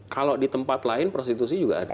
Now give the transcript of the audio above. kalau di tempat lain prostitusi juga ada